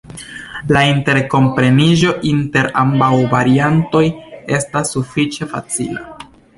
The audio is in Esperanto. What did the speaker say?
La interkompreniĝo inter ambaŭ variantoj estas sufiĉe facila.